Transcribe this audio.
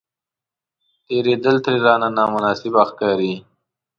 تېرېدل ترې راته نامناسبه ښکاري.